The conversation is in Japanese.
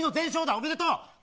おめでとう。